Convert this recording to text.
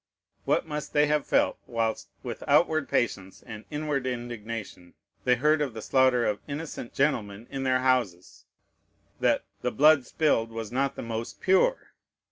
What must they have felt, whilst, with outward patience and inward indignation, they heard of the slaughter of innocent gentlemen in their houses, that "the blood spilled was not the most pure"!